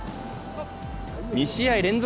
２試合連続